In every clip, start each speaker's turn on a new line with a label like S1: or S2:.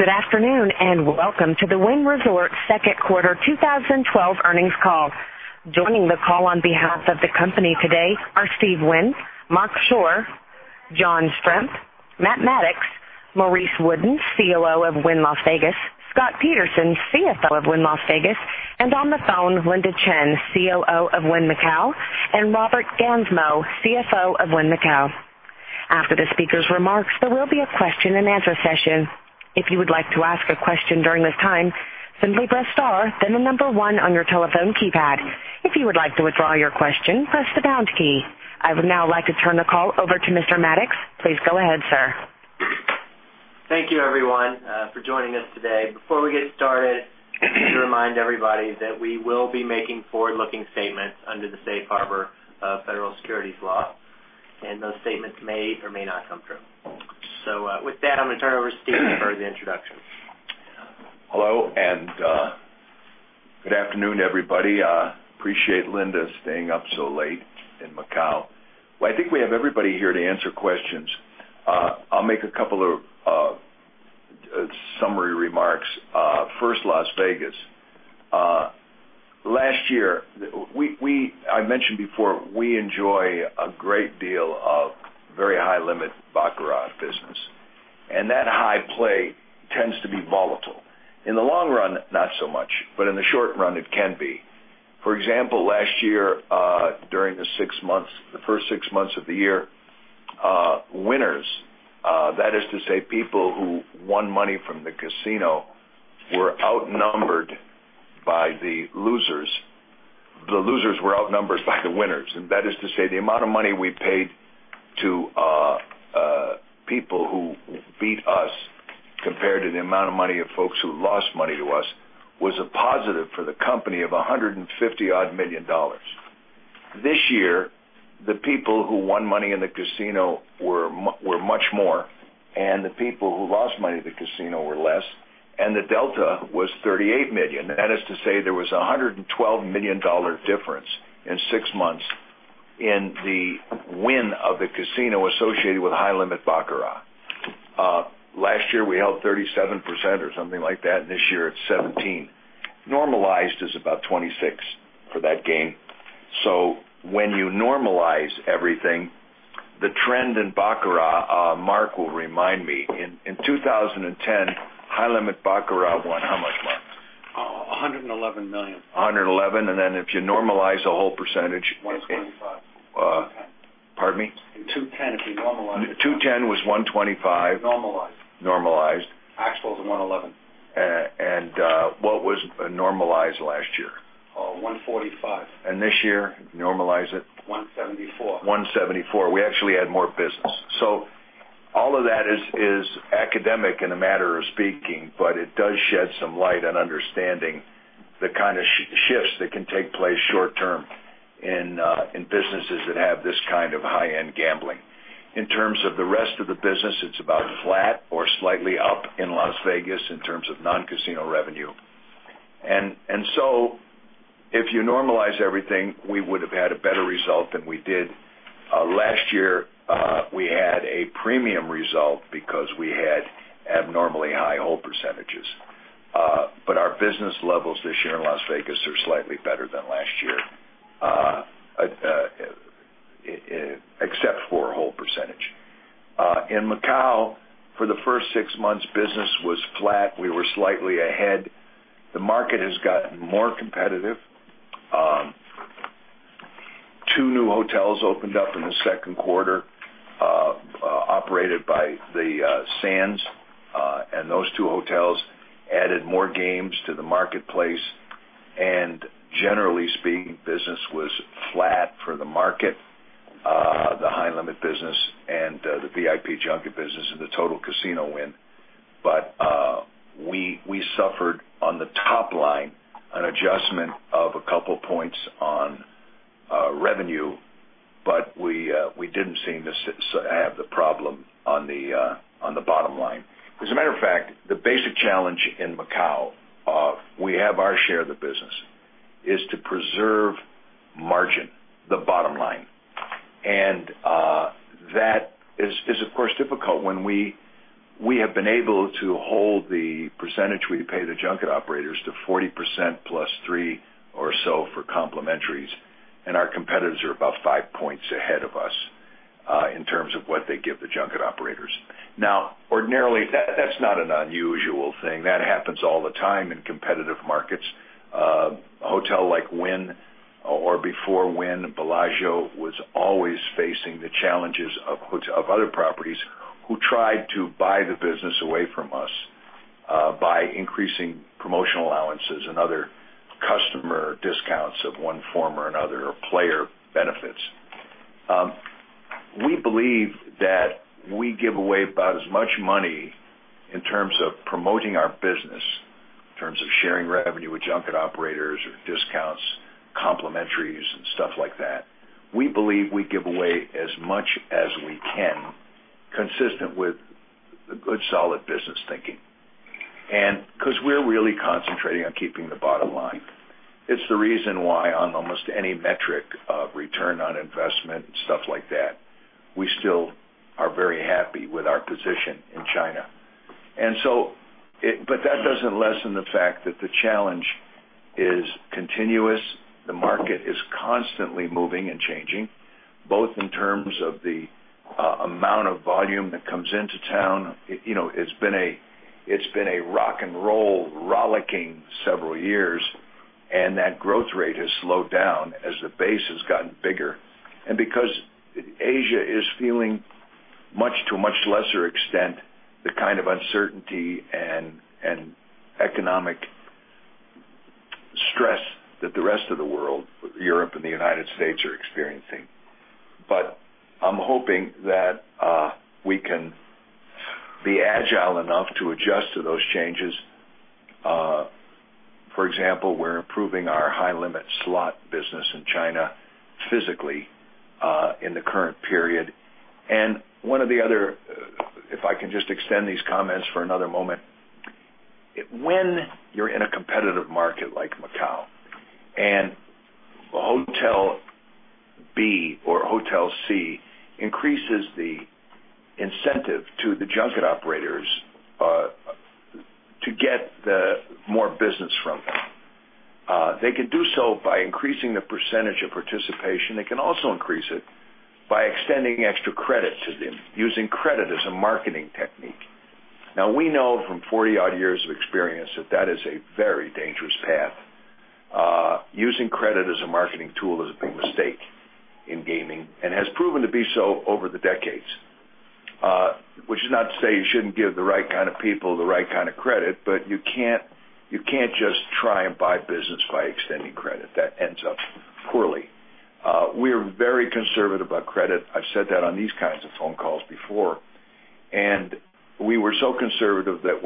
S1: Good afternoon, welcome to the Wynn Resorts second quarter 2012 earnings call. Joining the call on behalf of the company today are Steve Wynn, Marc Schorr, John Strzemp, Matt Maddox, Maurice Wooden, COO of Wynn Las Vegas, Scott Peterson, CFO of Wynn Las Vegas, and on the phone, Linda Chen, COO of Wynn Macau, and Robert Gansmo, CFO of Wynn Macau. After the speakers' remarks, there will be a question-and-answer session. If you would like to ask a question during this time, simply press star then the number 1 on your telephone keypad. If you would like to withdraw your question, press the pound key. I would now like to turn the call over to Mr. Maddox. Please go ahead, sir.
S2: Thank you, everyone, for joining us today. Before we get started, just to remind everybody that we will be making forward-looking statements under the safe harbor of federal securities law, those statements may or may not come true. With that, I'm going to turn it over to Steve for the introduction.
S3: Hello, good afternoon, everybody. Appreciate Linda staying up so late in Macau. I think we have everybody here to answer questions. I'll make a couple of summary remarks. First, Las Vegas. Last year, I mentioned before, we enjoy a great deal of very high-limit baccarat business, that high play tends to be volatile. In the long run, not so much, in the short run, it can be. For example, last year, during the first six months of the year, winners, that is to say, people who won money from the casino, were outnumbered by the losers. The losers were outnumbered by the winners. That is to say, the amount of money we paid to people who beat us compared to the amount of money of folks who lost money to us was a positive for the company of $150-odd million. This year, the people who won money in the casino were much more, the people who lost money in the casino were less, the delta was $38 million. That is to say there was a $112 million difference in six months in the win of the casino associated with high-limit baccarat. Last year, we held 37% or something like that. This year, it's 17%. Normalized is about 26% for that game. When you normalize everything, the trend in baccarat, Matt will remind me. In 2010, high-limit baccarat won how much, Matt? $111 million. $111 million, if you normalize the whole percentage- $125 million. Pardon me? In 2010, if you normalize- 2010 was $125 million. Normalized. Normalized. Actual is $111 million. What was normalized last year? $145 million. This year, normalize it. $174 million. $174 million. We actually had more business. All of that is academic in a matter of speaking, it does shed some light on understanding the kind of shifts that can take place short-term in businesses that have this kind of high-end gambling. In terms of the rest of the business, it's about flat or slightly up in Las Vegas in terms of non-casino revenue. If you normalize everything, we would have had a better result than we did. Last year, we had a premium result because we had abnormally high hold percentages. Our business levels this year in Las Vegas are slightly better than last year, except for a hold percentage. In Macau, for the first six months, business was flat. We were slightly ahead. The market has gotten more competitive. Two new hotels opened up in the second quarter, operated by the Sands. Those two hotels added more games to the marketplace. Generally speaking, business was flat for the market, the high-limit business and the VIP junket business and the total casino win. We suffered on the top line an adjustment of a couple points on revenue, but we didn't seem to have the problem on the bottom line. As a matter of fact, the basic challenge in Macau, we have our share of the business, is to preserve margin, the bottom line. That is, of course, difficult when we have been able to hold the percentage we pay the junket operators to 40% plus 3% or so for complementaries, and our competitors are about 5 points ahead of us in terms of what they give the junket operators. Ordinarily, that's not an unusual thing. That happens all the time in competitive markets. A hotel like Wynn, or before Wynn, Bellagio, was always facing the challenges of other properties who tried to buy the business away from us by increasing promotional allowances and other customer discounts of one form or another, or player benefits. We believe that we give away about as much money in terms of promoting our business, in terms of sharing revenue with junket operators or discounts, complementaries and stuff like that. We believe we give away as much as we can, consistent with good, solid business thinking, because we're really concentrating on keeping the bottom line. It's the reason why on almost any metric of return on investment and stuff like that, we still are very happy with our position in China. That doesn't lessen the fact that the challenge is continuous. The market is constantly moving and changing, both in terms of the amount of volume that comes into town. It's been a rock and roll, rollicking several years, and that growth rate has slowed down as the base has gotten bigger. Because Asia is feeling, to a much lesser extent, the kind of uncertainty and economic stress that the rest of the world, Europe and the U.S., are experiencing. I'm hoping that we can be agile enough to adjust to those changes. For example, we're improving our high-limit slot business in China physically in the current period. One of the other, if I can just extend these comments for another moment. When you're in a competitive market like Macau, hotel B or hotel C increases the incentive to the junket operators to get more business from them. They can do so by increasing the percentage of participation. They can also increase it by extending extra credit to them, using credit as a marketing technique. Now, we know from 40-odd years of experience that is a very dangerous path. Using credit as a marketing tool is a big mistake in gaming and has proven to be so over the decades, which is not to say you shouldn't give the right kind of people the right kind of credit, but you can't just try and buy business by extending credit. That ends up poorly. We are very conservative about credit. I've said that on these kinds of phone calls before. We were so conservative that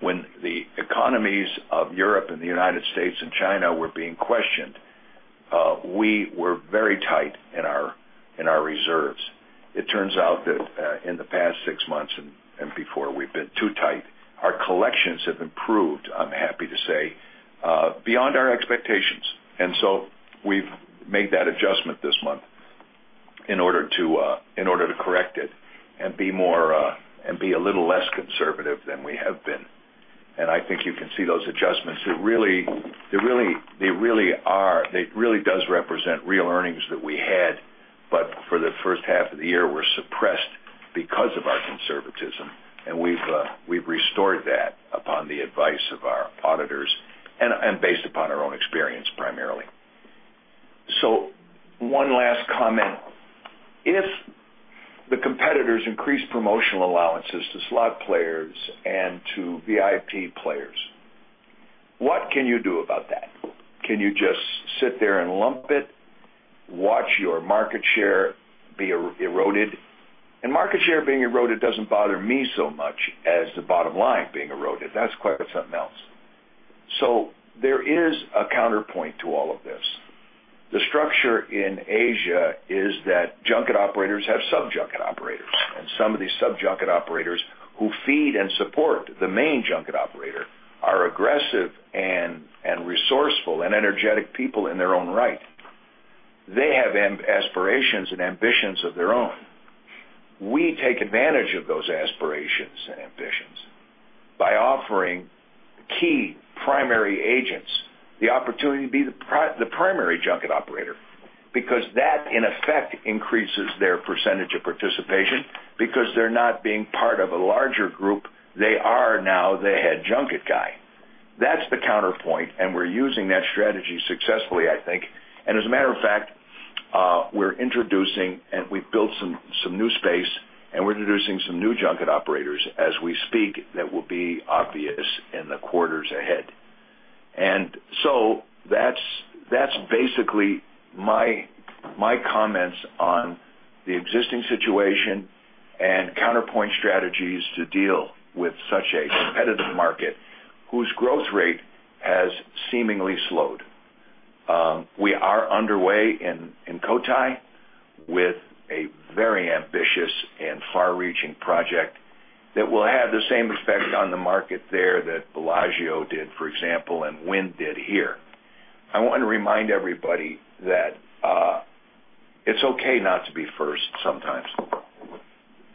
S3: when the economies of Europe and the U.S. and China were being questioned, we were very tight in our reserves. It turns out that in the past six months and before, we've been too tight. Our collections have improved, I'm happy to say, beyond our expectations. We've made that adjustment this month in order to correct it and be a little less conservative than we have been. I think you can see those adjustments. It really does represent real earnings that we had, but for the first half of the year, were suppressed because of our conservatism, and we've restored that upon the advice of our auditors and based upon our own experience, primarily. One last comment. If the competitors increase promotional allowances to slot players and to VIP players, what can you do about that? Can you just sit there and lump it, watch your market share be eroded? Market share being eroded doesn't bother me so much as the bottom line being eroded. That's quite something else. There is a counterpoint to all of this. The structure in Asia is that junket operators have sub-junket operators, and some of these sub-junket operators who feed and support the main junket operator are aggressive and resourceful and energetic people in their own right. They have aspirations and ambitions of their own. We take advantage of those aspirations and ambitions by offering key primary agents the opportunity to be the primary junket operator because that, in effect, increases their percentage of participation because they're not being part of a larger group. They are now the head junket guy. That's the counterpoint, and we're using that strategy successfully, I think. As a matter of fact, we're introducing, and we've built some new space, and we're introducing some new junket operators as we speak that will be obvious in the quarters ahead. That's basically my comments on the existing situation and counterpoint strategies to deal with such a competitive market whose growth rate has seemingly slowed. We are underway in Cotai with a very ambitious and far-reaching project that will have the same effect on the market there that Bellagio did, for example, and Wynn did here. I want to remind everybody that it's okay not to be first sometimes.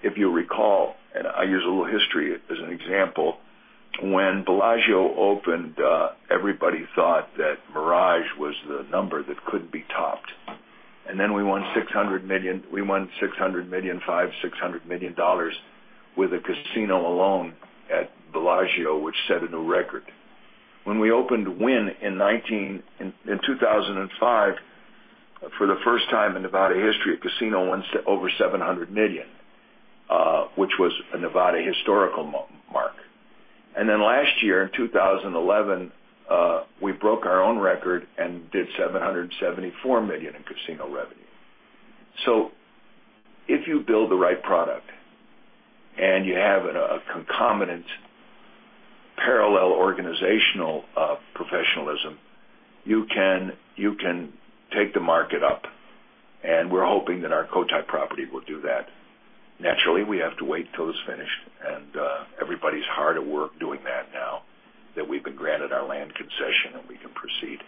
S3: If you recall, I use a little history as an example. When Bellagio opened, everybody thought that Mirage was the number that could be topped. We won $600 million, $500 million, $600 million with a casino alone at Bellagio, which set a new record. When we opened Wynn in 2005, for the first time in Nevada history, a casino won over $700 million, which was a Nevada historical mark. Last year, in 2011, we broke our own record and did $774 million in casino revenue. If you build the right product and you have a concomitant parallel organizational professionalism, you can take the market up, and we're hoping that our Cotai property will do that. Naturally, we have to wait till it's finished, and everybody's hard at work doing that. Our land concession, and we can proceed.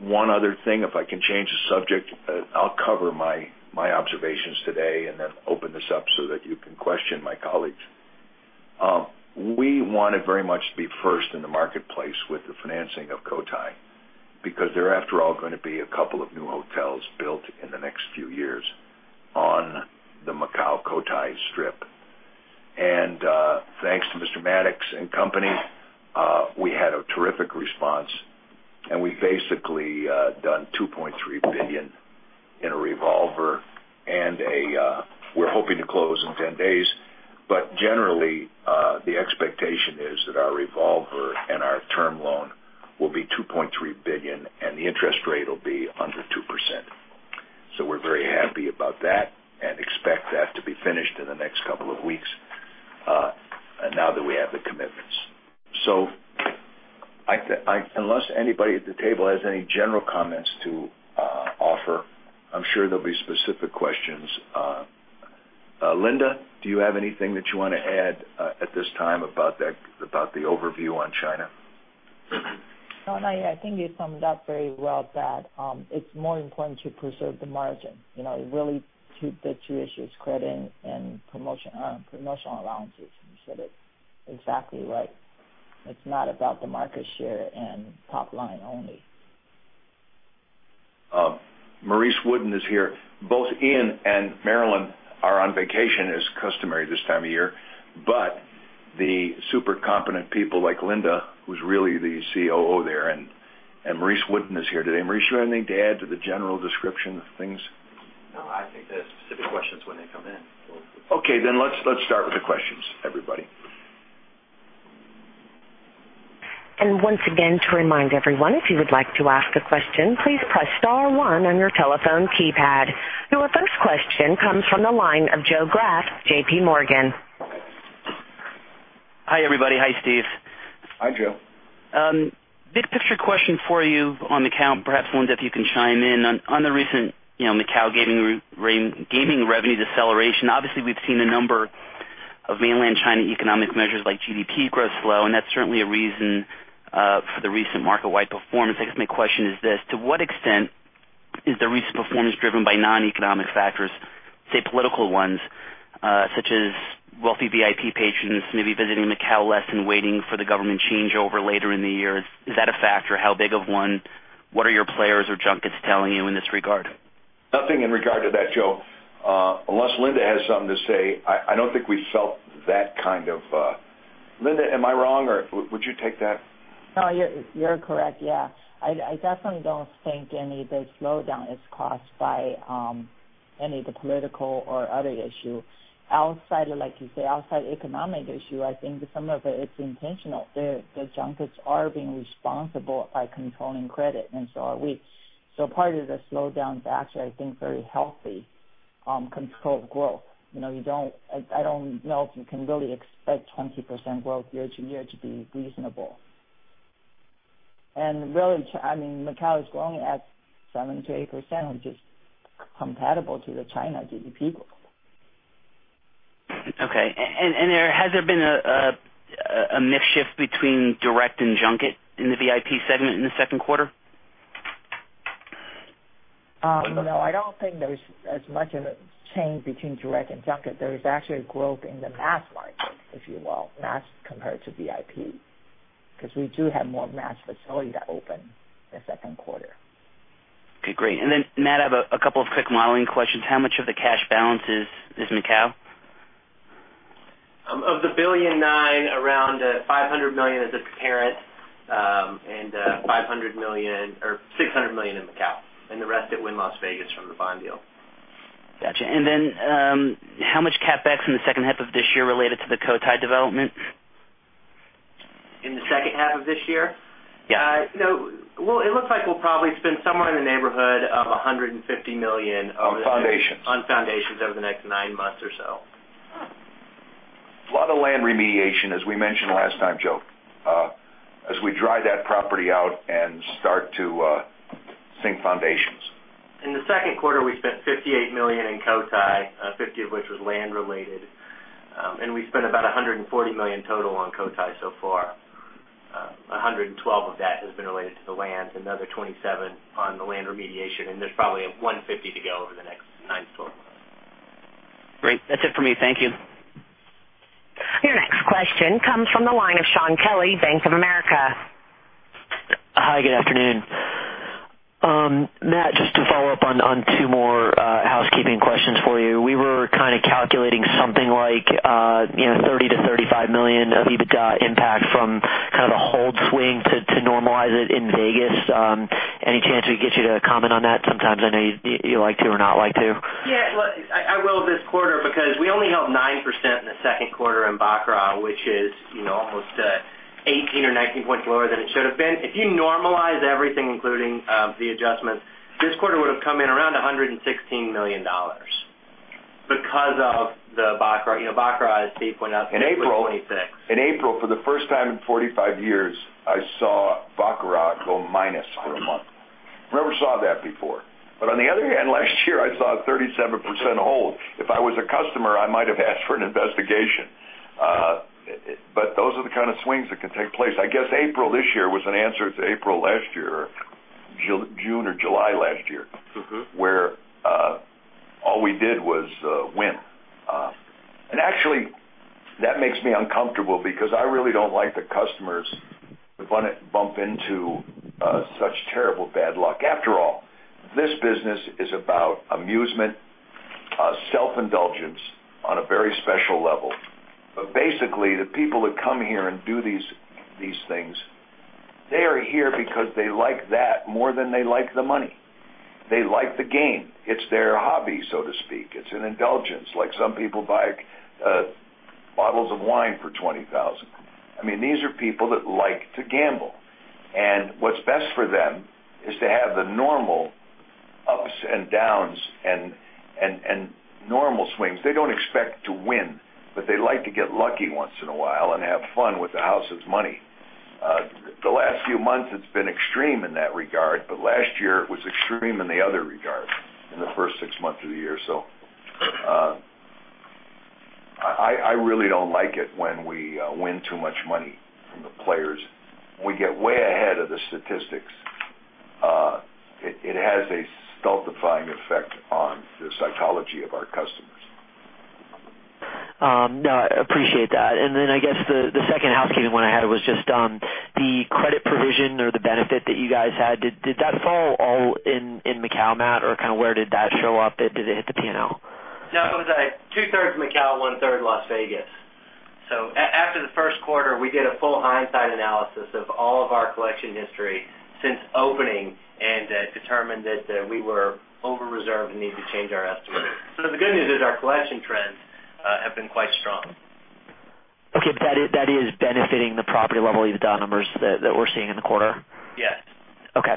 S3: One other thing, if I can change the subject, I'll cover my observations today and then open this up so that you can question my colleagues. We wanted very much to be first in the marketplace with the financing of Cotai, because there are, after all, going to be a couple of new hotels built in the next few years on the Macau Cotai Strip. Thanks to Mr. Maddox and company, we had a terrific response, and we've basically done $2.3 billion in a revolver, and we're hoping to close in 10 days. Generally, the expectation is that our revolver and our term loan will be $2.3 billion, and the interest rate will be under 2%. We're very happy about that and expect that to be finished in the next couple of weeks now that we have the commitments. Unless anybody at the table has any general comments to offer, I'm sure there'll be specific questions. Linda, do you have anything that you want to add at this time about the overview on China?
S4: No, I think you summed it up very well, that it's more important to preserve the margin. Really, the two issues, credit and promotional allowances. You said it exactly right. It's not about the market share and top line only.
S3: Maurice Wooden is here. Both Ian and Marilyn are on vacation, as customary this time of year. The super competent people like Linda, who's really the COO there, and Maurice Wooden is here today. Maurice, you have anything to add to the general description of things?
S5: No, I think the specific questions when they come in.
S3: Okay, let's start with the questions, everybody.
S1: Once again, to remind everyone, if you would like to ask a question, please press star one on your telephone keypad. Our first question comes from the line of Joseph Greff, J.P. Morgan.
S6: Hi, everybody. Hi, Steve.
S3: Hi, Joe.
S6: Big picture question for you on Macau, perhaps one that you can chime in on. On the recent Macau gaming revenue deceleration, obviously, we've seen a number of mainland China economic measures like GDP growth slow, and that's certainly a reason for the recent market-wide performance. I guess my question is this: To what extent is the recent performance driven by non-economic factors, say, political ones, such as wealthy VIP patrons maybe visiting Macau less and waiting for the government changeover later in the year? Is that a factor? How big of one? What are your players or junkets telling you in this regard?
S3: Nothing in regard to that, Joe. Unless Linda has something to say, I don't think we felt that kind of Linda, am I wrong, or would you take that?
S4: You're correct, yeah. I definitely don't think any of the slowdown is caused by any of the political or other issue. Like you say, outside economic issue, I think some of it's intentional. The junkets are being responsible by controlling credit, and so are we. Part of the slowdown is actually, I think, very healthy, controlled growth. I don't know if you can really expect 20% growth year-to-year to be reasonable. Really, Macau is growing at 7%-8%, which is comparable to the China GDP growth.
S6: Okay. Has there been a mix shift between direct and junket in the VIP segment in the second quarter?
S4: No, I don't think there's as much of a change between direct and junket. There is actually a growth in the mass market, if you will, mass compared to VIP, because we do have more mass facility to open in the second quarter.
S6: Okay, great. Matt, I have a couple of quick modeling questions. How much of the cash balance is in Macau?
S2: Of the $1.9 billion, around $500 million is its parent, and $500 million or $600 million in Macau, and the rest at Wynn Las Vegas from the bond deal.
S6: Got you. Then how much CapEx in the second half of this year related to the Cotai development?
S2: In the second half of this year?
S6: Yeah.
S2: Well, it looks like we'll probably spend somewhere in the neighborhood of $150 million.
S3: On foundations.
S2: on foundations over the next nine months or so.
S3: A lot of land remediation, as we mentioned last time, Joe. As we dry that property out and start to sink foundations.
S2: In the second quarter, we spent $58 million in Cotai, $50 million of which was land related. We spent about $140 million total on Cotai so far. $112 million of that has been related to the land, another $27 million on the land remediation, there's probably a $150 million to go over the next nine to 12 months.
S6: Great. That's it for me. Thank you.
S1: Your next question comes from the line of Shaun Kelley, Bank of America.
S7: Hi, good afternoon. Matt, just to follow up on two more housekeeping questions for you. We were kind of calculating something like $30 million-$35 million of EBITDA impact from kind of a hold swing to normalize it in Vegas. Any chance we could get you to comment on that? Sometimes I know you like to or not like to.
S2: Yeah, well, I will this quarter because we only held 9% in the second quarter in baccarat, which is almost 18 or 19 points lower than it should have been. If you normalize everything, including the adjustments, this quarter would've come in around $116 million because of the baccarat. Baccarat, as Steve pointed out-
S3: In April-
S2: was 26
S3: In April, for the first time in 45 years, I saw Go minus for a month. Never saw that before. On the other hand, last year I saw a 37% hold. If I was a customer, I might have asked for an investigation. Those are the kind of swings that can take place. I guess April this year was an answer to April last year, or June or July last year. Where all we did was win. Actually, that makes me uncomfortable because I really don't like the customers to bump into such terrible bad luck. After all, this business is about amusement, self-indulgence on a very special level. Basically, the people that come here and do these things, they are here because they like that more than they like the money. They like the game. It's their hobby, so to speak. It's an indulgence. Like some people buy bottles of wine for $20,000. These are people that like to gamble, and what's best for them is to have the normal ups and downs and normal swings. They don't expect to win, but they like to get lucky once in a while and have fun with the house's money. The last few months, it's been extreme in that regard, last year it was extreme in the other regard, in the first six months of the year. I really don't like it when we win too much money from the players. We get way ahead of the statistics. It has a stultifying effect on the psychology of our customers.
S7: No, I appreciate that. I guess the second housekeeping one I had was just on the credit provision or the benefit that you guys had. Did that fall all in Macau, Matt? Or where did that show up? Did it hit the P&L?
S2: No, it was two-thirds Macau, one-third Las Vegas. After the first quarter, we did a full hindsight analysis of all of our collection history since opening, and determined that we were over-reserved and needed to change our estimate. The good news is our collection trends have been quite strong.
S7: Okay. That is benefiting the property level EBITDA numbers that we're seeing in the quarter?
S2: Yes.
S7: Okay.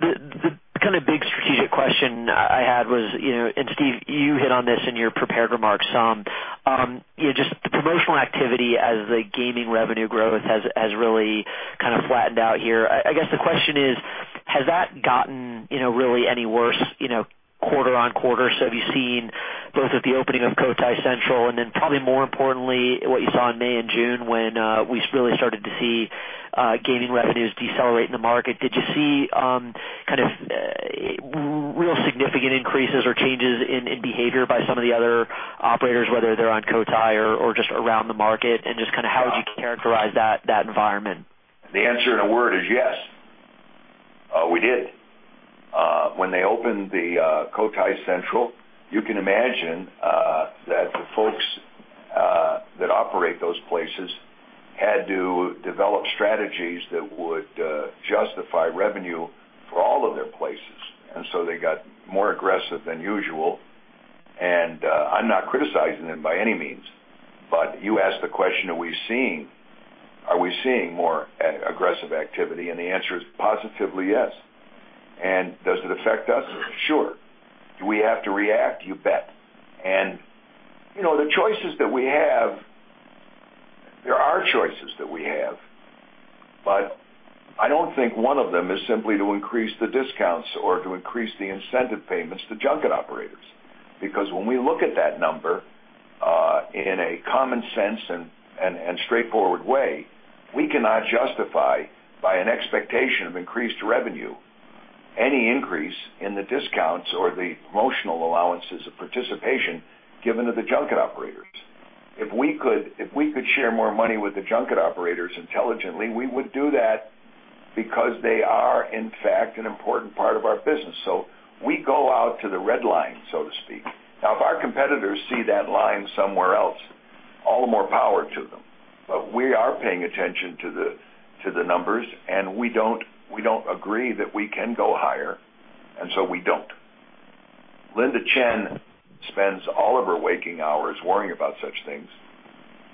S7: The big strategic question I had was, Steve, you hit on this in your prepared remarks some. Just the promotional activity as the gaming revenue growth has really flattened out here. I guess the question is, has that gotten really any worse quarter-on-quarter? Have you seen both with the opening of Cotai Central and then probably more importantly, what you saw in May and June when we really started to see gaming revenues decelerate in the market, did you see real significant increases or changes in behavior by some of the other operators, whether they're on Cotai or just around the market? Just how would you characterize that environment?
S3: The answer in a word is yes. We did. When they opened the Cotai Central, you can imagine that the folks that operate those places had to develop strategies that would justify revenue for all of their places. They got more aggressive than usual, and I'm not criticizing them by any means. You asked the question, are we seeing more aggressive activity? The answer is positively yes. Does it affect us? Sure. Do we have to react? You bet. The choices that we have, there are choices that we have, but I don't think one of them is simply to increase the discounts or to increase the incentive payments to junket operators. When we look at that number in a common sense and straightforward way, we cannot justify, by an expectation of increased revenue, any increase in the discounts or the promotional allowances of participation given to the junket operators. If we could share more money with the junket operators intelligently, we would do that because they are, in fact, an important part of our business. We go out to the red line, so to speak. If our competitors see that line somewhere else, all the more power to them. We are paying attention to the numbers, and we don't agree that we can go higher, and so we don't. Linda Chen spends all of her waking hours worrying about such things,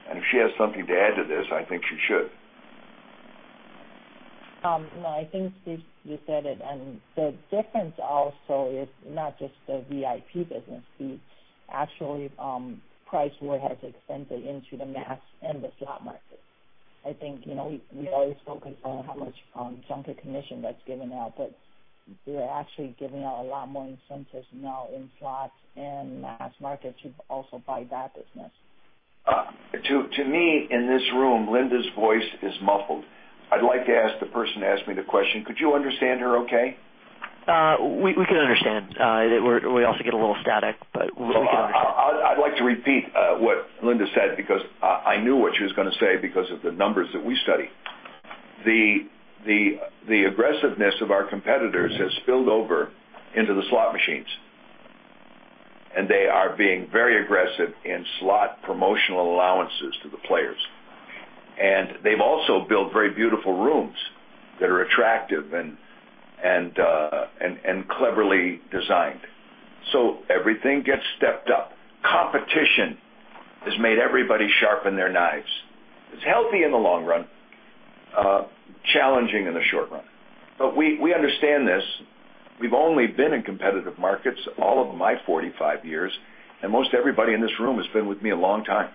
S3: and if she has something to add to this, I think she should.
S4: No, I think, Steve, you said it. The difference also is not just the VIP business, Steve. Actually, price war has extended into the mass and the slot market. I think we always focus on how much junket commission that's given out, but they're actually giving out a lot more incentives now in slots and mass market to also buy that business.
S3: To me, in this room, Linda's voice is muffled. I'd like to ask the person to ask me the question, could you understand her okay?
S7: We could understand. We also get a little static, but we could understand.
S3: I'd like to repeat what Linda said because I knew what she was going to say because of the numbers that we study. The aggressiveness of our competitors has spilled over into the slot machines, and they are being very aggressive in slot promotional allowances to the players. They've also built very beautiful rooms that are attractive and cleverly designed. Everything gets stepped up. Competition has made everybody sharpen their knives. It's healthy in the long run, challenging in the short run. We understand this. We've only been in competitive markets all of my 45 years, and most everybody in this room has been with me a long time.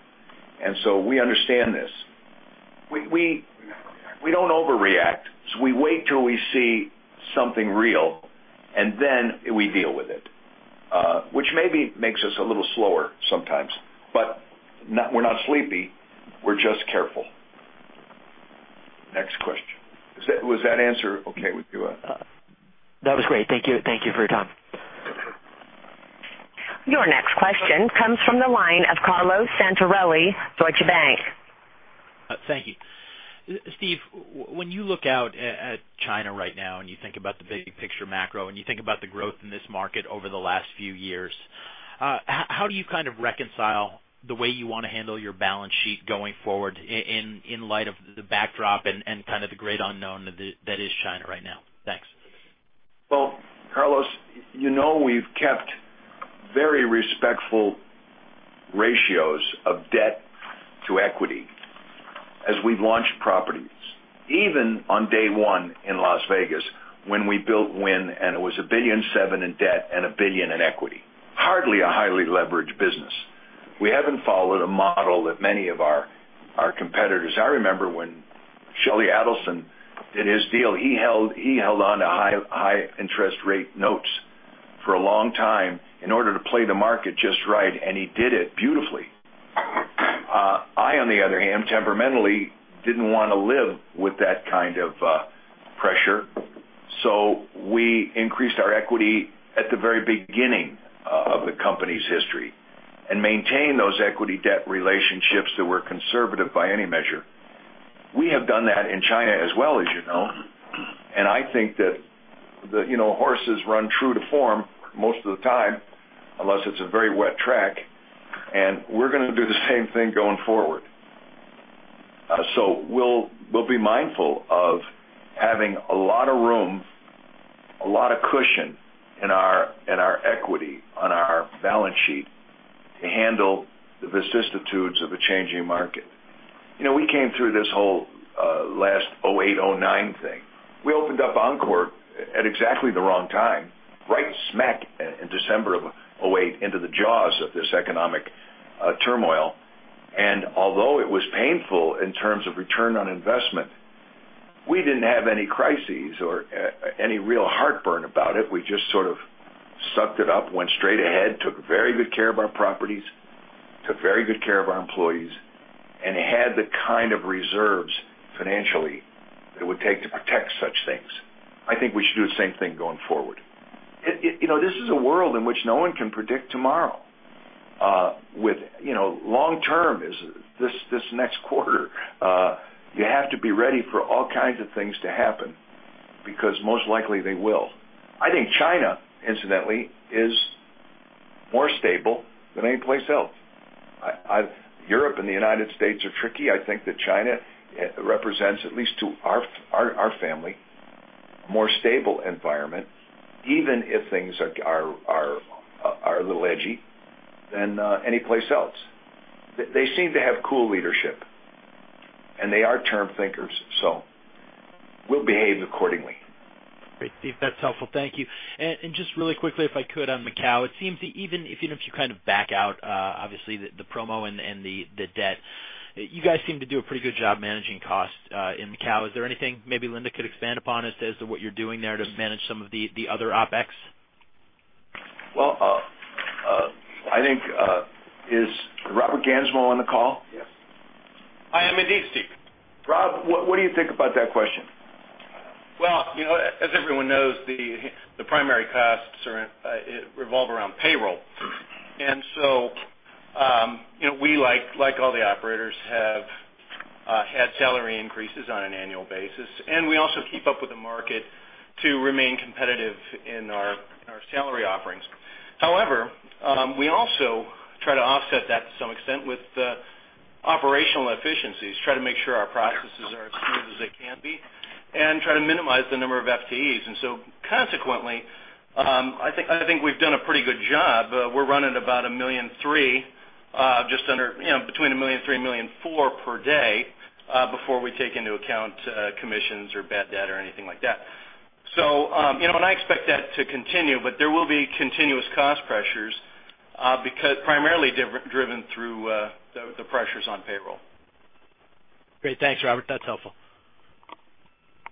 S3: We understand this. We don't overreact. We wait till we see something real, and then we deal with it. Which maybe makes us a little slower sometimes, but we're not sleepy. We're just careful. Next question. Was that answer okay with you, Shaun?
S7: That was great. Thank you for your time.
S1: Your next question comes from the line of Carlo Santarelli, Deutsche Bank.
S8: Thank you. Steve, when you look out at China right now and you think about the big picture macro, and you think about the growth in this market over the last few years, how do you kind of reconcile the way you want to handle your balance sheet going forward in light of the backdrop and kind of the great unknown that is China right now? Thanks.
S3: Well, Carlo, you know we've kept very respectful ratios of debt to equity as we've launched properties. Even on day one in Las Vegas when we built Wynn, it was $1.7 billion in debt and $1 billion in equity. Hardly a highly leveraged business. We haven't followed a model that many of our competitors. I remember when Sheldon Adelson did his deal, he held onto high interest rate notes for a long time in order to play the market just right, and he did it beautifully. I, on the other hand, temperamentally, didn't want to live with that kind of pressure. We increased our equity at the very beginning of the company's history and maintained those equity debt relationships that were conservative by any measure. We have done that in China as well, as you know. I think that horses run true to form most of the time, unless it's a very wet track, and we're going to do the same thing going forward. We'll be mindful of having a lot of room, a lot of cushion in our equity on our balance sheet to handle the vicissitudes of a changing market. We came through this whole last 2008, 2009 thing. We opened up Encore at exactly the wrong time, right smack in December of 2008, into the jaws of this economic turmoil. Although it was painful in terms of return on investment, we didn't have any crises or any real heartburn about it. We just sort of sucked it up, went straight ahead, took very good care of our properties, took very good care of our employees, and had the kind of reserves financially it would take to protect such things. I think we should do the same thing going forward. This is a world in which no one can predict tomorrow. With long term, this next quarter, you have to be ready for all kinds of things to happen, because most likely they will. I think China, incidentally, is more stable than any place else. Europe and the U.S. are tricky. I think that China represents, at least to our family, a more stable environment, even if things are a little edgy than any place else. They seem to have cool leadership, and they are term thinkers, so we'll behave accordingly.
S8: Great, Steve. That's helpful. Thank you. Just really quickly, if I could, on Macau, it seems even if you kind of back out, obviously, the promo and the debt, you guys seem to do a pretty good job managing cost in Macau. Is there anything maybe Linda could expand upon as to what you're doing there to manage some of the other OpEx?
S3: Well, I think. Is Robert Gansmo on the call?
S5: Yes.
S9: I am indeed, Steve.
S3: Robert, what do you think about that question?
S9: Well, as everyone knows, the primary costs revolve around payroll. We, like all the operators, have had salary increases on an annual basis, and we also keep up with the market to remain competitive in our salary offerings. However, we also try to offset that to some extent with operational efficiencies, try to make sure our processes are as smooth as they can be, and try to minimize the number of FTEs. Consequently, I think we've done a pretty good job. We're running about $1.3 million, just under, between $1.3 million-$1.4 million per day, before we take into account commissions or bad debt or anything like that. I expect that to continue, but there will be continuous cost pressures, primarily driven through the pressures on payroll.
S8: Great. Thanks, Robert. That's helpful.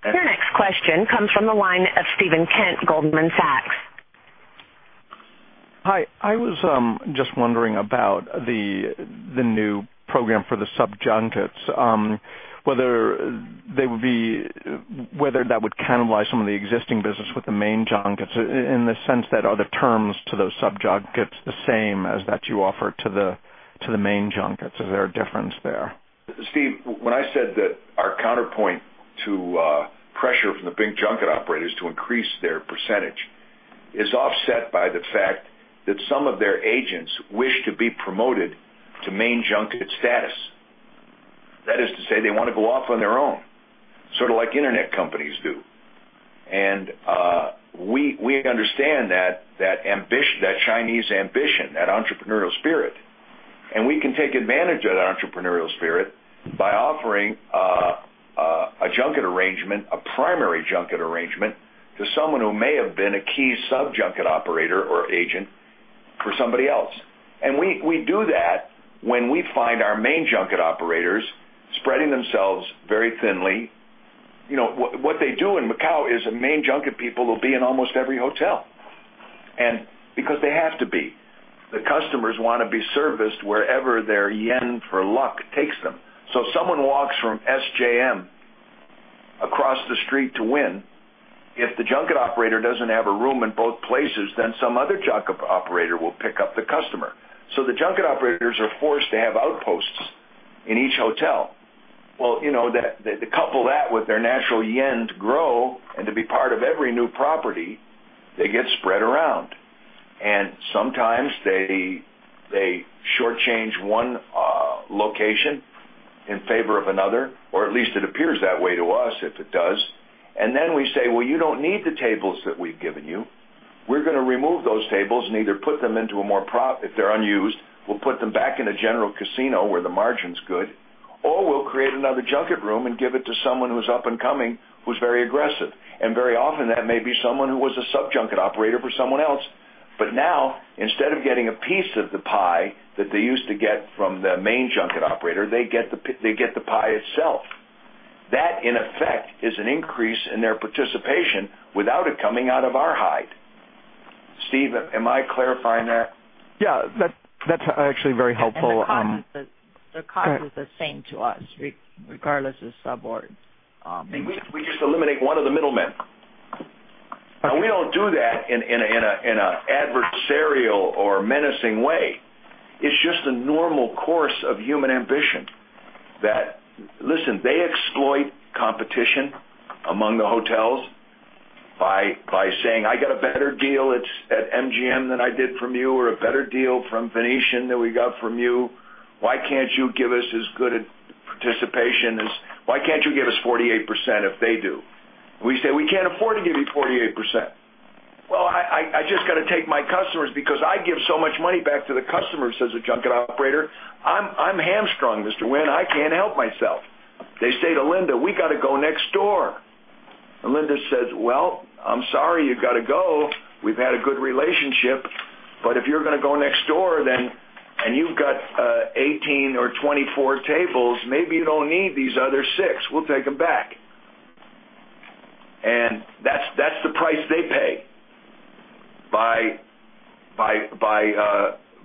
S1: Your next question comes from the line of Steven Kent, Goldman Sachs.
S10: Hi. I was just wondering about the new program for the sub-junkets, whether that would cannibalize some of the existing business with the main junkets in the sense that are the terms to those sub-junkets the same as that you offer to the main junkets? Is there a difference there?
S3: Steve, when I said that our counterpoint to pressure from the big junket operators to increase their percentage is offset by the fact that some of their agents wish to be promoted to main junket status. That is to say, they want to go off on their own, sort of like internet companies do. We understand that ambition, that Chinese ambition, that entrepreneurial spirit, and we can take advantage of that entrepreneurial spirit by offering a junket arrangement, a primary junket arrangement, to someone who may have been a key sub-junket operator or agent for somebody else. We do that when we find our main junket operators spreading themselves very thinly. What they do in Macau is the main junket people will be in almost every hotel, because they have to be. The customers want to be serviced wherever their yen for luck takes them. Someone walks from SJM across the street to Wynn, if the junket operator doesn't have a room in both places, some other junket operator will pick up the customer. The junket operators are forced to have outposts in each hotel. Well, couple that with their natural yen to grow and to be part of every new property, they get spread around. Sometimes they shortchange one location in favor of another, or at least it appears that way to us, if it does. Then we say, "Well, you don't need the tables that we've given you. We're going to remove those tables and either put them into a more if they're unused, we'll put them back in a general casino where the margin's good. We'll create another junket room and give it to someone who's up and coming, who's very aggressive." Very often, that may be someone who was a sub-junket operator for someone else. Now, instead of getting a piece of the pie that they used to get from the main junket operator, they get the pie itself. That, in effect, is an increase in their participation without it coming out of our hide. Steve, am I clarifying that?
S10: Yeah. That's actually very helpful.
S4: The cost is the same to us, regardless of sub or.
S3: We just eliminate one of the middlemen. Now, we don't do that in an adversarial or menacing way. It's just a normal course of human ambition that Listen, they exploit competition among the hotels by saying, "I got a better deal at MGM than I did from you," or, "A better deal from Venetian than we got from you. Why can't you give us as good a participation? Why can't you give us 48% if they do?" We say, "We can't afford to give you 48%." "Well, I just got to take my customers because I give so much money back to the customers," says the junket operator. "I'm hamstrung, Mr. Wynn. I can't help myself." They say to Linda, "We got to go next door." Linda says, "Well, I'm sorry you've got to go. We've had a good relationship, but if you're going to go next door, and you've got 18 or 24 tables, maybe you don't need these other six. We'll take them back." That's the price they pay by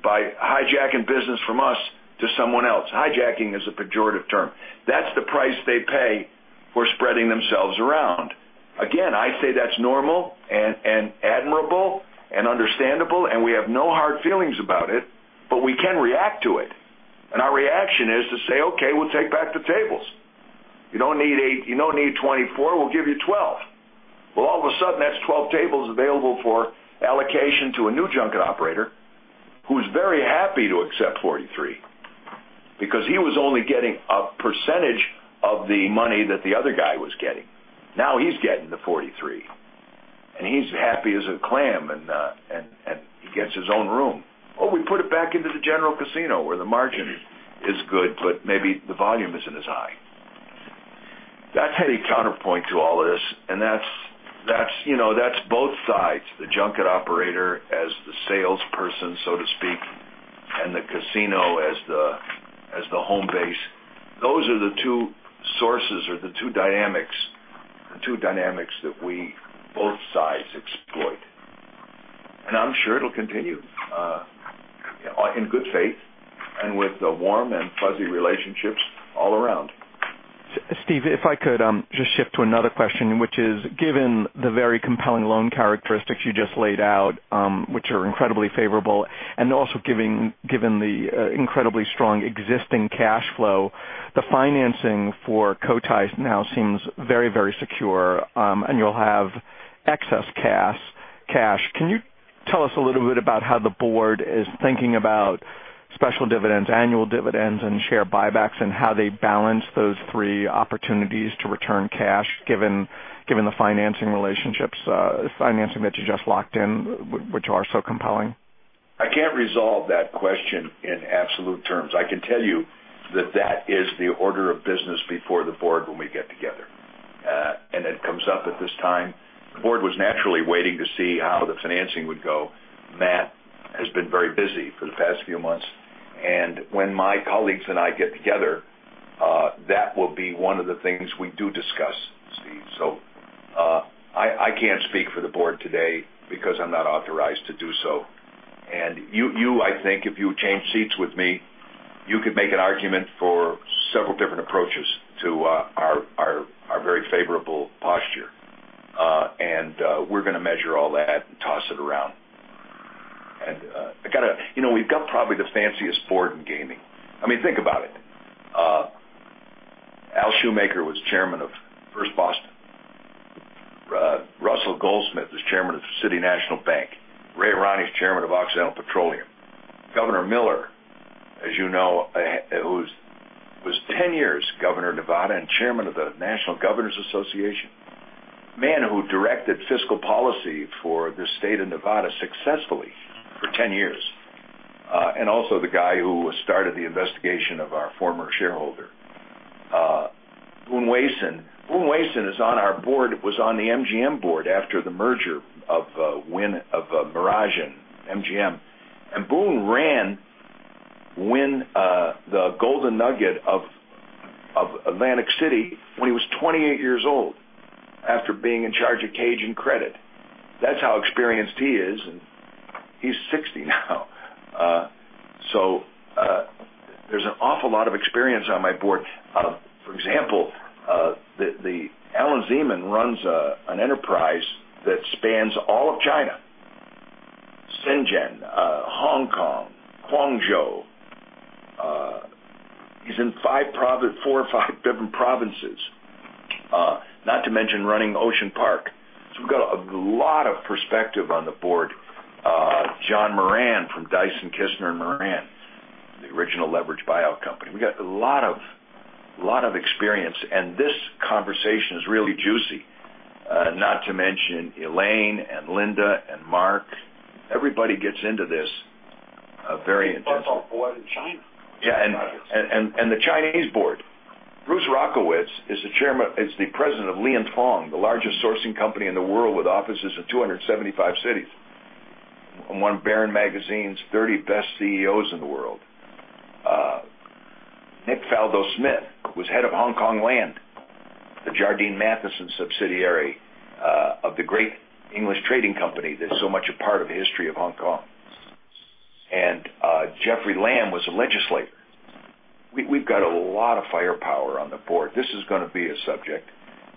S3: hijacking business from us to someone else. Hijacking is a pejorative term. That's the price they pay for spreading themselves around. Again, I say that's normal and admirable and understandable, and we have no hard feelings about it, but we can react to it. Our reaction is to say, "Okay, we'll take back the tables. You don't need 24, we'll give you 12." Well, all of a sudden, that's 12 tables available for allocation to a new junket operator who's very happy to accept 43 because he was only getting a percentage of the money that the other guy was getting. Now he's getting the 43. he's happy as a clam, he gets his own room, or we put it back into the general casino where the margin is good, but maybe the volume isn't as high. That's a counterpoint to all this, and that's both sides. The junket operator as the salesperson, so to speak, and the casino as the home base. Those are the two sources or the two dynamics that both sides exploit. I'm sure it'll continue in good faith and with warm and fuzzy relationships all around.
S10: Steve, if I could just shift to another question, which is, given the very compelling loan characteristics you just laid out, which are incredibly favorable, and also given the incredibly strong existing cash flow, the financing for Cotai now seems very secure, and you'll have excess cash. Can you tell us a little bit about how the board is thinking about special dividends, annual dividends, and share buybacks, and how they balance those three opportunities to return cash given the financing relationships, financing that you just locked in, which are so compelling?
S3: I can't resolve that question in absolute terms. I can tell you that that is the order of business before the board when we get together. It comes up at this time. The board was naturally waiting to see how the financing would go. Matt has been very busy for the past few months. When my colleagues and I get together, that will be one of the things we do discuss, Steve. I can't speak for the board today because I'm not authorized to do so. You, I think, if you change seats with me, you could make an argument for several different approaches to our very favorable posture. We're going to measure all that and toss it around. We've got probably the fanciest board in gaming. Think about it. Al Shoemaker was chairman of First Boston. Russell Goldsmith was chairman of City National Bank. Ray Irani is chairman of Occidental Petroleum. Governor Miller, as you know, was 10 years governor of Nevada and chairman of the National Governors Association. Man who directed fiscal policy for the state of Nevada successfully for 10 years, and also the guy who started the investigation of our former shareholder. Boon Wayson. Boon Wayson is on our board, was on the MGM board after the merger of Mirage and MGM. Boon ran Wynn, the Golden Nugget Atlantic City, when he was 28 years old, after being in charge of CAGR Credit. That's how experienced he is, and he's 60 now. There's an awful lot of experience on my board. For example, Allan Zeman runs an enterprise that spans all of China, Shenzhen, Hong Kong, Guangzhou. He's in four or five different provinces, not to mention running Ocean Park. We've got a lot of perspective on the board. John Moran from Dyson-Kissner-Moran, the original leveraged buyout company. We got a lot of experience, and this conversation is really juicy. Not to mention Elaine and Linda and Marc. Everybody gets into this very intensely. What about the board in China? The Chinese board. Bruce Rockowitz is the President of Li & Fung, the largest sourcing company in the world with offices in 275 cities, and one of Barron's magazine's 30 best CEOs in the world. Nick Smith was head of Hongkong Land, the Jardine Matheson subsidiary of the great English trading company that's so much a part of the history of Hong Kong. Jeffrey Lam was a legislator. We've got a lot of firepower on the board. This is going to be a subject,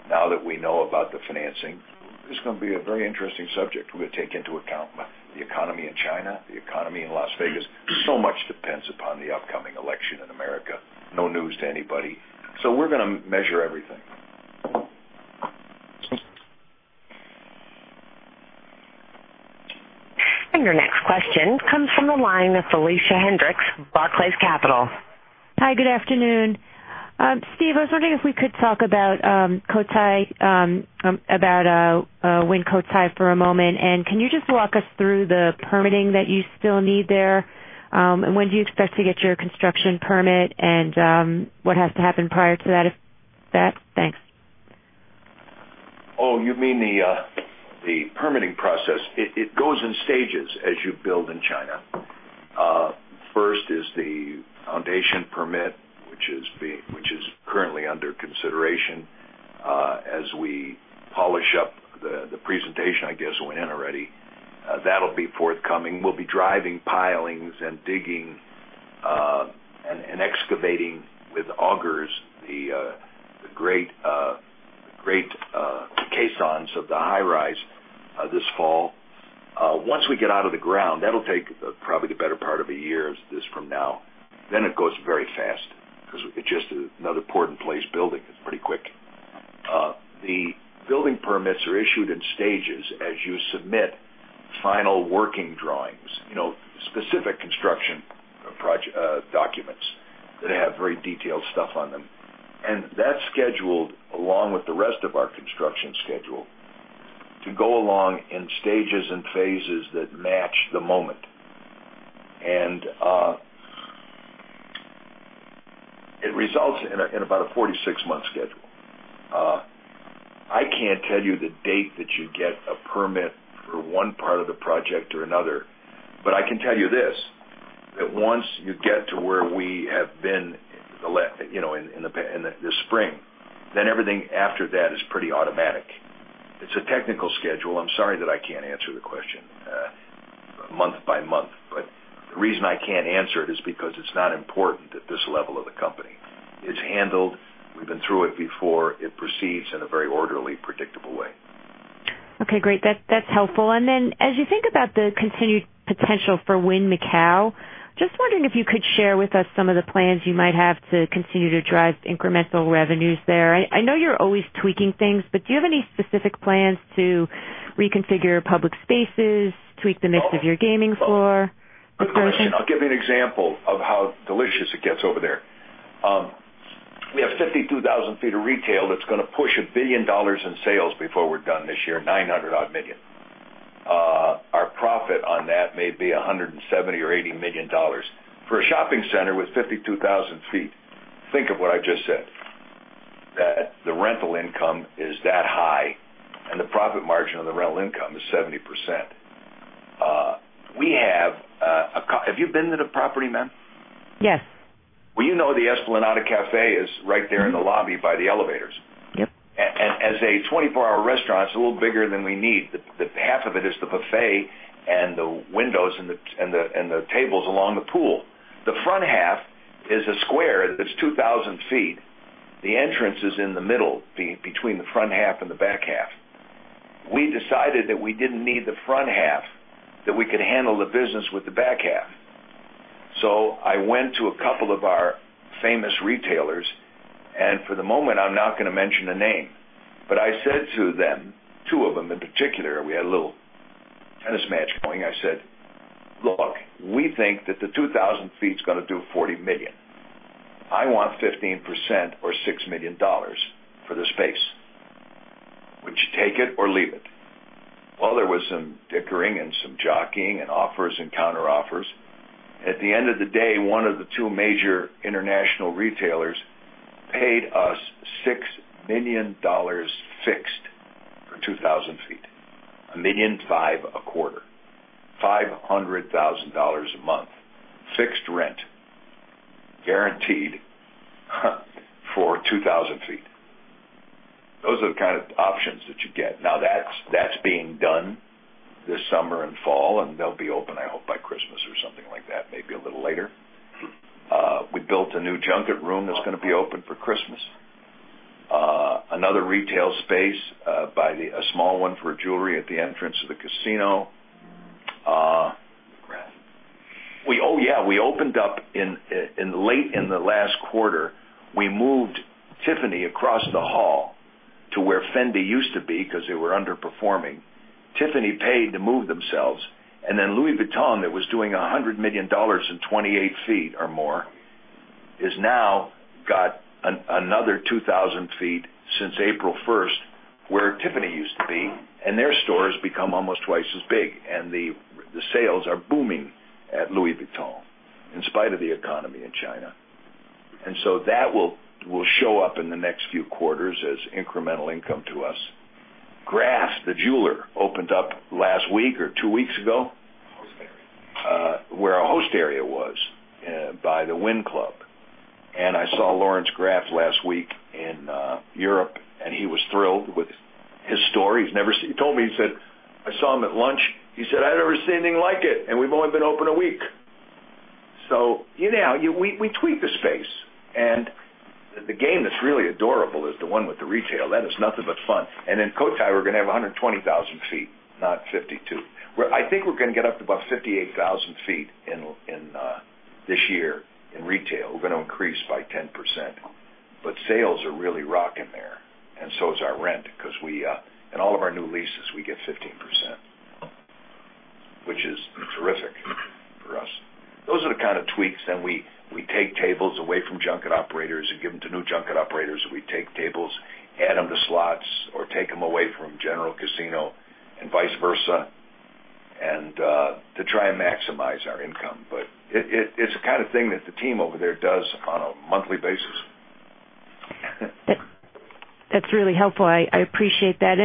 S3: now that we know about the financing, this is going to be a very interesting subject. We're going to take into account the economy in China, the economy in Las Vegas. Much depends upon the upcoming election in America. No news to anybody. We're going to measure everything.
S1: Your next question comes from the line of Felicia Hendrix, Barclays Capital.
S11: Hi, good afternoon. Steve, I was wondering if we could talk about Wynn Cotai for a moment. Can you just walk us through the permitting that you still need there? When do you expect to get your construction permit, and what has to happen prior to that, if that? Thanks.
S3: Oh, you mean the permitting process. It goes in stages as you build in China. First is the foundation permit, which is currently under consideration. As we polish up the presentation, I guess, went in already. That'll be forthcoming. We'll be driving pilings and digging and excavating with augers, the great caissons of the high rise this fall. Once we get out of the ground, that'll take probably the better part of a year, this from now, then it goes very fast because it's just another poured-in- place building. It's pretty quick. The building permits are issued in stages as you submit final working drawings, specific construction documents that have very detailed stuff on them. That's scheduled, along with the rest of our construction schedule, to go along in stages and phases that match the moment. It results in about a 46-month schedule. I can't tell you the date that you get a permit for one part of the project or another, but I can tell you this, that once you get to where we have been in the spring, then everything after that is pretty automatic. It's a technical schedule. I'm sorry that I can't answer the question month by month, but the reason I can't answer it is because it's not important at this level of the company. It's handled. We've been through it before. It proceeds in a very orderly, predictable way.
S11: Okay, great. That's helpful. As you think about the continued potential for Wynn Macau, just wondering if you could share with us some of the plans you might have to continue to drive incremental revenues there. I know you're always tweaking things, do you have any specific plans to reconfigure public spaces, tweak the mix of your gaming floor?
S3: Good question. I'll give you an example of how delicious it gets over there. We have 52,000 feet of retail that's going to push $1 billion in sales before we're done this year, $900 odd million. Our profit on that may be $170 million or $180 million. For a shopping center with 52,000 feet, think of what I just said. That the rental income is that high and the profit margin on the rental income is 70%. Have you been to the property, ma'am?
S11: Yes.
S3: Well, you know the Esplanade Cafe is right there in the lobby by the elevators.
S11: Yep.
S3: As a 24-hour restaurant, it's a little bigger than we need. Half of it is the buffet and the windows and the tables along the pool. The front half is a square that's 2,000 feet. The entrance is in the middle, between the front half and the back half. We decided that we didn't need the front half, that we could handle the business with the back half. I went to a couple of our famous retailers, and for the moment, I'm not going to mention a name, but I said to them, two of them in particular, we had a little tennis match going. I said, "Look, we think that the 2,000 feet is going to do $40 million." I want 15% or $6 million for the space. Would you take it or leave it? There was some dickering and some jockeying and offers and counteroffers. At the end of the day, one of the two major international retailers paid us $6 million fixed for 2,000 feet, $1.5 million a quarter, $500,000 a month, fixed rent, guaranteed for 2,000 feet. Those are the kind of options that you get. That's being done this summer and fall, and they'll be open, I hope, by Christmas or something like that, maybe a little later. We built a new junket room that's going to be open for Christmas. Another retail space, a small one for jewelry at the entrance to the casino.
S4: Graff.
S3: Oh, yeah. We opened up late in the last quarter. We moved Tiffany across the hall to where Fendi used to be because they were underperforming. Tiffany paid to move themselves, Louis Vuitton, that was doing $100 million in 28 square feet or more, has now got another 2,000 sqaure feet since April 1st, where Tiffany used to be, and their store has become almost twice as big, and the sales are booming at Louis Vuitton in spite of the economy in China. That will show up in the next few quarters as incremental income to us. Graff, the jeweler, opened up last week or two weeks ago.
S4: Host area.
S3: Our host area was by the Wynn Club. I saw Laurence Graff last week in Europe, and he was thrilled with his story. He told me, I saw him at lunch, he said, "I've never seen anything like it, and we've only been open a week." We tweak the space, and the game that's really adorable is the one with the retail. That is nothing but fun. In Cotai, we're going to have 120,000 feet, not 52. I think we're going to get up to about 58,000 feet this year in retail. We're going to increase by 10%. Sales are really rocking there, and so is our rent because in all of our new leases, we get 15%, which is terrific for us. Those are the kind of tweaks, and we take tables away from junket operators and give them to new junket operators. We take tables, add them to slots, or take them away from general casino and vice versa to try and maximize our income. It's the kind of thing that the team over there does on a monthly basis.
S11: That's really helpful. I appreciate that.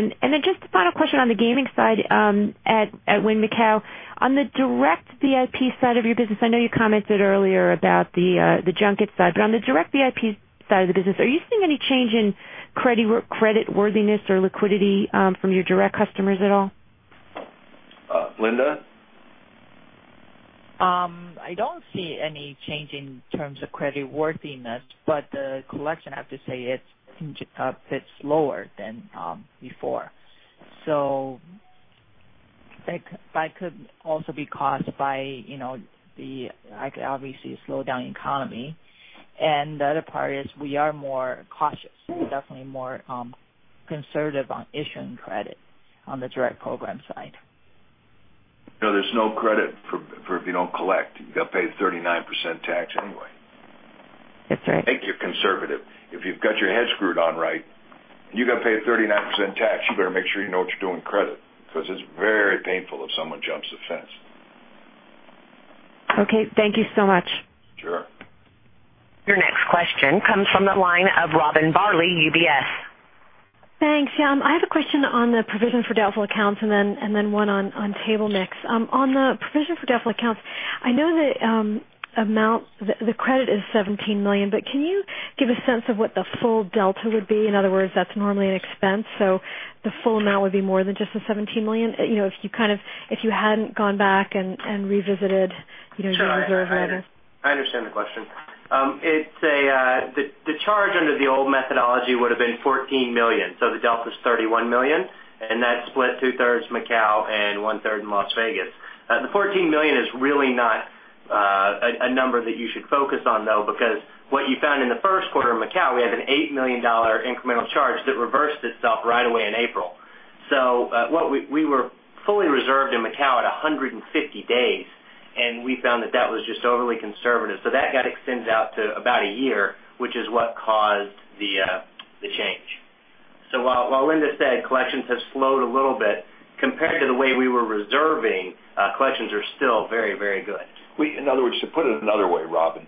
S11: Just a final question on the gaming side at Wynn Macau. On the direct VIP side of your business, I know you commented earlier about the junket side, but on the direct VIP side of the business, are you seeing any change in creditworthiness or liquidity from your direct customers at all?
S3: Linda?
S4: I don't see any change in terms of creditworthiness, but the collection, I have to say, it's a bit slower than before. That could also be caused by the, obviously, slowed down economy. The other part is we are more cautious. We're definitely more conservative on issuing credit on the direct program side.
S3: There's no credit if you don't collect. You've got to pay the 39% tax anyway.
S4: That's right.
S3: Make you conservative. If you've got your head screwed on right, and you've got to pay a 39% tax, you better make sure you know what you're doing credit, because it's very painful if someone jumps the fence.
S11: Okay. Thank you so much.
S3: Sure.
S1: Your next question comes from the line of Robin Farley, UBS.
S12: Thanks. I have a question on the provision for doubtful accounts and then one on table mix. On the provision for doubtful accounts, I know the credit is $17 million, but can you give a sense of what the full delta would be? In other words, that's normally an expense, so the full amount would be more than just the $17 million? If you hadn't gone back and revisited your reserve levels.
S2: Sure. I understand the question. The charge under the old methodology would have been $14 million, the delta is $31 million, and that's split two-thirds Macau and one-third in Las Vegas. The $14 million is really not a number that you should focus on, though, because what you found in the first quarter in Macau, we had an $8 million incremental charge that reversed itself right away in April. We were fully reserved in Macau at 150 days, and we found that that was just overly conservative. That got extended out to about a year, which is what caused the change. While Linda said collections have slowed a little bit, compared to the way we were reserving, collections are still very, very good.
S3: To put it another way, Robin,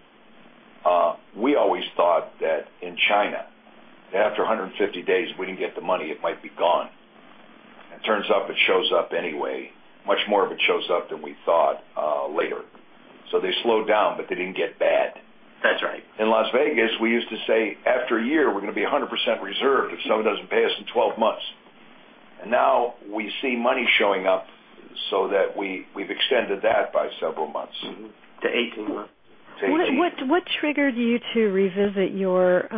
S3: we always thought that in China, that after 150 days, if we didn't get the money, it might be gone. It turns out it shows up anyway. Much more of it shows up than we thought later. They slowed down, but they didn't get bad.
S2: That's right.
S3: In Las Vegas, we used to say, after a year, we're going to be 100% reserved if someone doesn't pay us in 12 months. Now we see money showing up so that we've extended that by several months.
S2: To 18 months.
S3: To 18.
S12: What triggered you to revisit your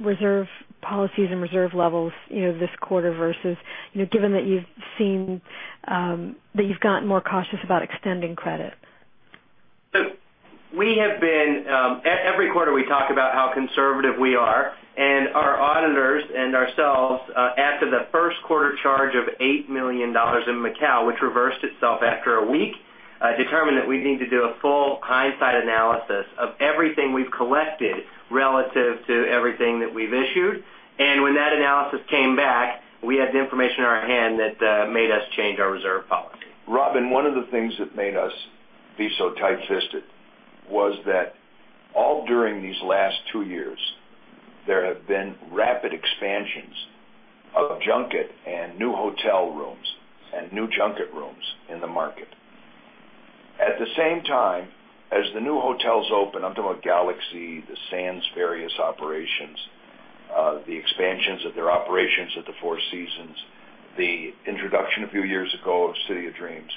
S12: reserve policies and reserve levels this quarter versus given that you've gotten more cautious about extending credit?
S2: Every quarter, we talk about how conservative we are, our auditors and ourselves, after the first quarter charge of $8 million in Macau, which reversed itself after a week Determined that we need to do a full hindsight analysis of everything we've collected relative to everything that we've issued. When that analysis came back, we had the information in our hand that made us change our reserve policy.
S3: Robin, one of the things that made us be so tight-fisted was that all during these last two years, there have been rapid expansions of junket and new hotel rooms and new junket rooms in the market. At the same time, as the new hotels open, I'm talking about Galaxy, the Sands various operations, the expansions of their operations at the Four Seasons, the introduction a few years ago of City of Dreams.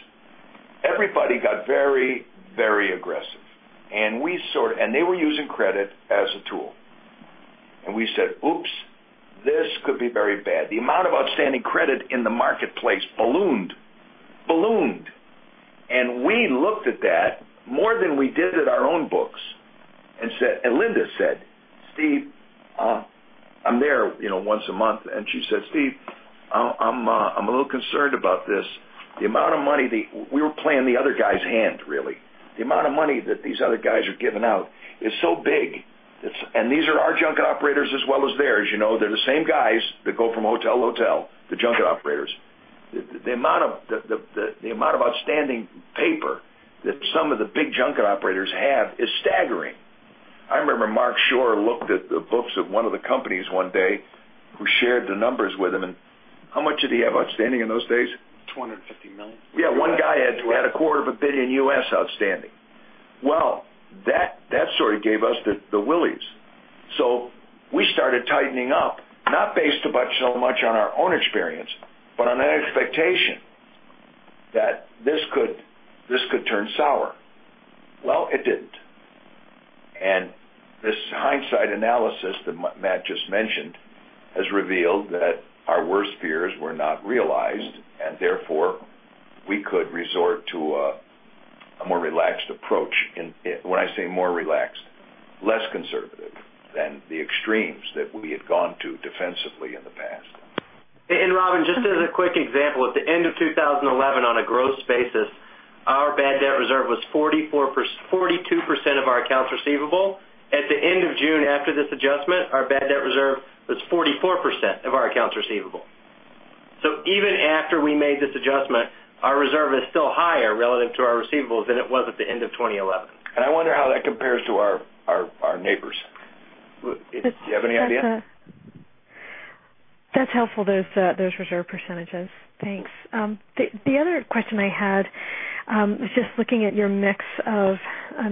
S3: Everybody got very, very aggressive. They were using credit as a tool. We said, "Oops, this could be very bad." The amount of outstanding credit in the marketplace ballooned. Ballooned. We looked at that more than we did at our own books Linda said, "Steve" I'm there once a month, she said, "Steve, I'm a little concerned about this." We were playing the other guy's hand, really. The amount of money that these other guys are giving out is so big. These are our junket operators as well as theirs. They're the same guys that go from hotel to hotel, the junket operators. The amount of outstanding paper that some of the big junket operators have is staggering. I remember Marc Schorr looked at the books of one of the companies one day, who shared the numbers with him, and how much did he have outstanding in those days?
S4: $250 million.
S3: Yeah. One guy had a quarter of a billion U.S. outstanding. Well, that sort of gave us the willies. So we started tightening up, not based so much on our own experience, but on an expectation that this could turn sour. Well, it didn't. This hindsight analysis that Matt Maddox just mentioned has revealed that our worst fears were not realized, and therefore, we could resort to a more relaxed approach. When I say more relaxed, less conservative than the extremes that we had gone to defensively in the past.
S2: Robin, just as a quick example, at the end of 2011, on a gross basis, our bad debt reserve was 42% of our accounts receivable. At the end of June, after this adjustment, our bad debt reserve was 44% of our accounts receivable. So even after we made this adjustment, our reserve is still higher relative to our receivables than it was at the end of 2011.
S3: I wonder how that compares to our neighbors. Do you have any idea?
S12: That's helpful, those reserve percentages. Thanks. The other question I had was just looking at your mix of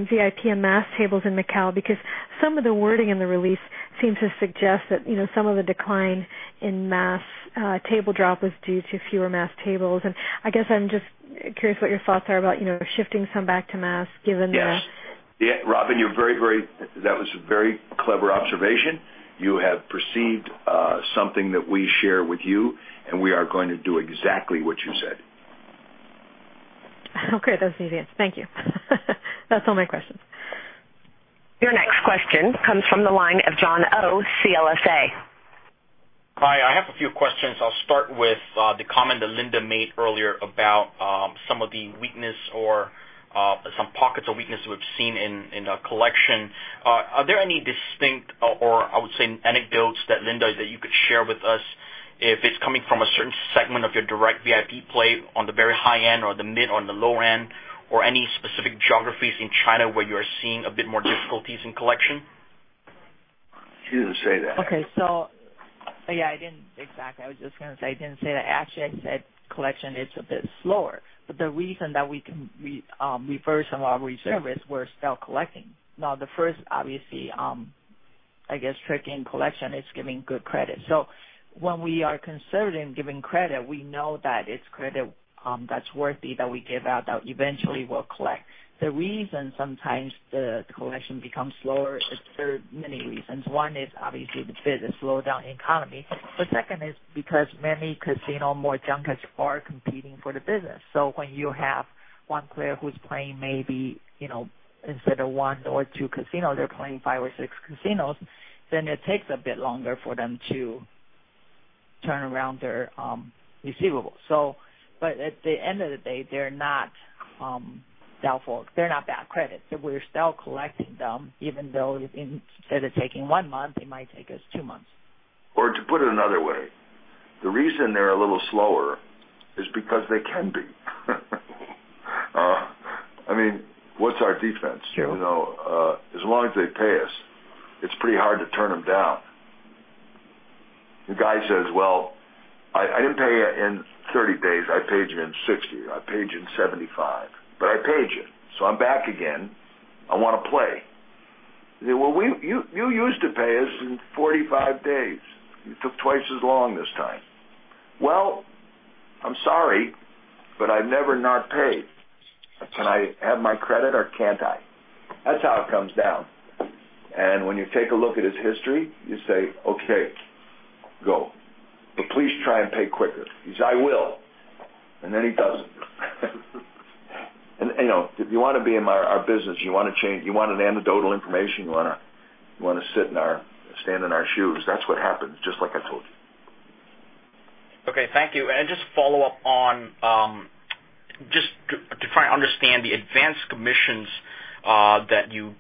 S12: VIP and mass tables in Macau, because some of the wording in the release seems to suggest that some of the decline in mass table drop was due to fewer mass tables. I guess I'm just curious what your thoughts are about shifting some back to mass.
S3: Yes. Robin, that was a very clever observation. You have perceived something that we share with you, we are going to do exactly what you said.
S12: Oh, great. That was easy. Thank you. That's all my questions.
S1: Your next question comes from the line of John Oh, CLSA.
S13: Hi, I have a few questions. I'll start with the comment that Linda made earlier about some of the weakness or some pockets of weakness we've seen in the collection. Are there any distinct, or I would say anecdotes, Linda, that you could share with us if it's coming from a certain segment of your direct VIP play on the very high end or the mid or on the low end, or any specific geographies in China where you are seeing a bit more difficulties in collection?
S3: She didn't say that.
S4: Okay. Yeah, I didn't exactly. I was just going to say, I didn't say that. Actually, I said collection is a bit slower, the reason that we can reverse some of our reserves, we're still collecting. The first, obviously, I guess, trick in collection is giving good credit. When we are conservative in giving credit, we know that it's credit that's worthy that we give out that eventually we'll collect. The reason sometimes the collection becomes slower, there are many reasons. One is obviously the business, slowdown in economy. Second is because many casino, more junkets are competing for the business. When you have one player who's playing maybe instead of one or two casinos, they're playing five or six casinos, then it takes a bit longer for them to turn around their receivables. At the end of the day, they're not doubtful. They're not bad credit. We're still collecting them, even though instead of taking one month, it might take us two months.
S3: To put it another way, the reason they're a little slower is because they can be. What's our defense?
S4: Sure.
S3: As long as they pay us, it's pretty hard to turn them down. The guy says, "Well, I didn't pay you in 30 days. I paid you in 60. I paid you in 75. I paid you. I'm back again. I want to play." You say, "Well, you used to pay us in 45 days. You took twice as long this time." "I'm sorry, but I've never not paid. Can I have my credit or can't I?" That's how it comes down. When you take a look at his history, you say, "Okay, go. Please try and pay quicker." He says, "I will." Then he doesn't. If you want to be in our business, you want an anecdotal information, you want to stand in our shoes, that's what happens, just like I told you.
S13: Okay, thank you. Just to follow up, just to try and understand the advanced commissions that you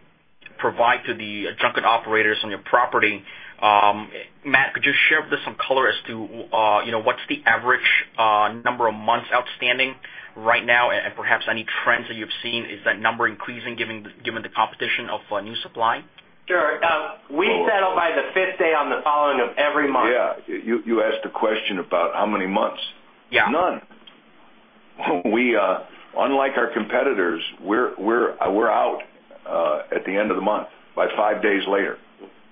S13: provide to the junket operators on your property. Matt, could you share with us some color as to what's the average number of months outstanding right now, and perhaps any trends that you've seen? Is that number increasing given the competition of new supply?
S2: Sure. We settle by the fifth day on the following of every month.
S3: Yeah. You asked a question about how many months.
S13: Yeah.
S3: None. Unlike our competitors, we're out at the end of the month, by five days later.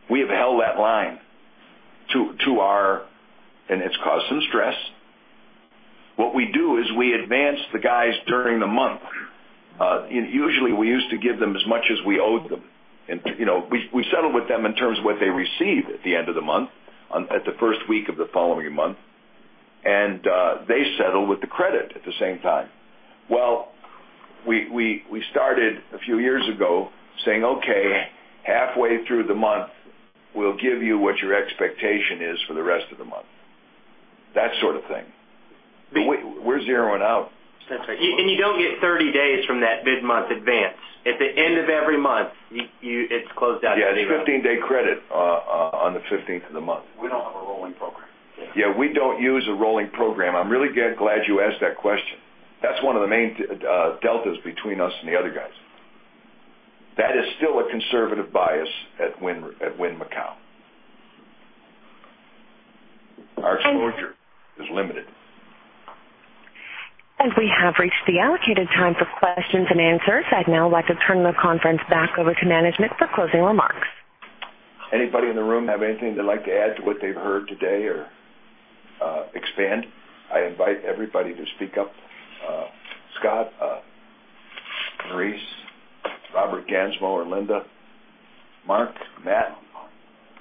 S3: We have held that line to our It's caused some stress. What we do is we advance the guys during the month. Usually, we used to give them as much as we owed them. We settle with them in terms of what they receive at the end of the month, at the first week of the following month. They settle with the credit at the same time. Well, we started a few years ago saying, "Okay, halfway through the month, we'll give you what your expectation is for the rest of the month." That sort of thing. We're zeroing out.
S2: That's right. You don't get 30 days from that mid-month advance. At the end of every month, it's closed out anyway.
S3: Yeah, it's 15-day credit on the 15th of the month.
S13: We don't have a rolling program.
S3: Yeah, we don't use a rolling program. I'm really glad you asked that question. That's one of the main deltas between us and the other guys. That is still a conservative bias at Wynn Macau. Our exposure is limited.
S1: We have reached the allocated time for questions and answers. I'd now like to turn the conference back over to management for closing remarks.
S3: Anybody in the room have anything they'd like to add to what they've heard today or expand? I invite everybody to speak up. Scott, Maurice, Robert Gansmo, or Linda, Mark, Matt.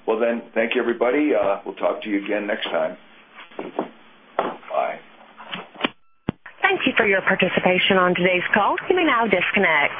S3: Well then, thank you everybody. We'll talk to you again next time. Bye.
S1: Thank you for your participation on today's call. You may now disconnect.